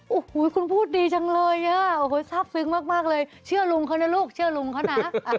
โอ้โหคุณพูดดีจังเลยอ่ะโอ้โหทราบซึ้งมากเลยเชื่อลุงเขานะลูกเชื่อลุงเขานะ